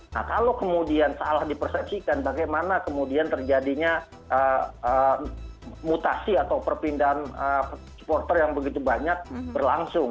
nah kalau kemudian salah dipersepsikan bagaimana kemudian terjadinya mutasi atau perpindahan supporter yang begitu banyak berlangsung